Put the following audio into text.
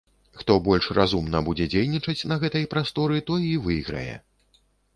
Хто больш разумна будзе дзейнічаць на гэтай прасторы, той і выйграе.